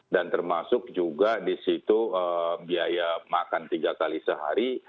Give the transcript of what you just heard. dan termasuk juga di situ biaya makan tiga kali sehari